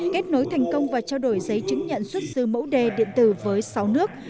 kết nối thành công và trao đổi giấy chứng nhận xuất xứ mẫu đề điện tử với sáu nước